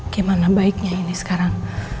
gimana baiknya ini sekarang